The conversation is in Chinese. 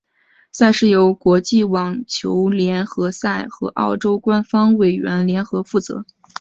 赛事由国际网球联合会和澳网官方委员会联合负责。